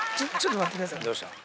どうした？